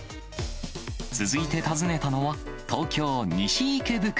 続いて訪ねたのは、東京・西池袋。